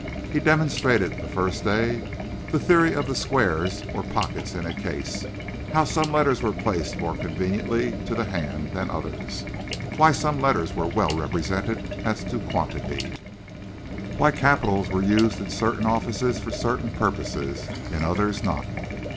He demonstrated the first day the theory of the squares or pockets in a case, how some letters were placed more conveniently to the hand than others, why some letters were well represented as to quantity, why capitals were used in certain offices for certain purposes, in others not.